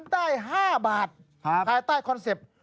ได้๕บาทภายใต้คอนเซ็ปต์